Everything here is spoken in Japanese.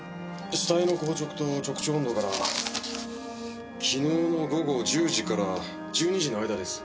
死体の硬直と直腸温度から昨日の午後１０時から１２時の間です。